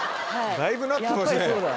だいぶなってますね。